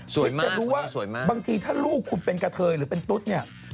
คิดจะรู้ว่าบางทีถ้าลูกคุณเป็นกะเทยหรือเป็นตุ๊ดเนี่ย